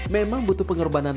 memang butuh pengorbanan